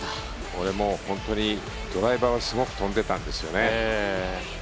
これもう、本当にドライバーはすごく飛んでいたんですよね。